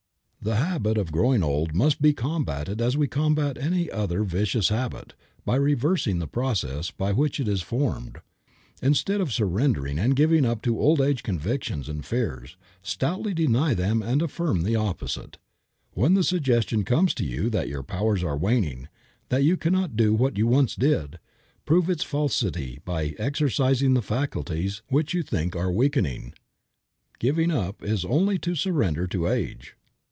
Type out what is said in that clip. The habit of growing old must be combated as we combat any other vicious habit, by reversing the processes by which it is formed. Instead of surrendering and giving up to old age convictions and fears, stoutly deny them and affirm the opposite. When the suggestion comes to you that your powers are waning, that you cannot do what you once did, prove its falsity by exercising the faculties which you think are weakening. Giving up is only to surrender to age.